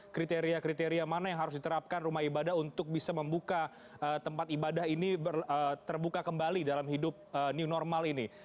kriteria kriteria mana yang harus diterapkan rumah ibadah untuk bisa membuka tempat ibadah ini terbuka kembali dalam hidup new normal ini